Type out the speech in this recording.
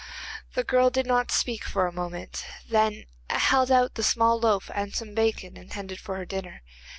The girl did not speak for a moment, then held out the small loaf and some bacon intended for her dinner.